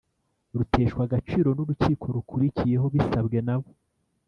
ruteshwa agaciro n urukiko rukurikiyeho bisabwe nabo